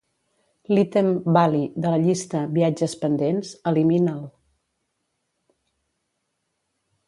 L'ítem "Bali" de la llista "viatges pendents" elimina'l.